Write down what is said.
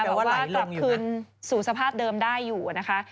บอกว่ากลับคืนสู่สภาพเดิมได้อยู่นะคะ